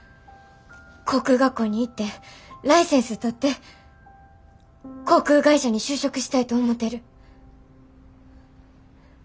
航空学校に行ってライセンス取って航空会社に就職したいと思てる。